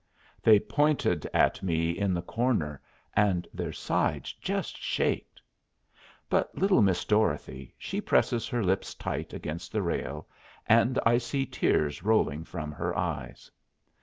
They pointed at me in the corner, and their sides just shaked. But little Miss Dorothy she presses her lips tight against the rail, and I see tears rolling from her eyes.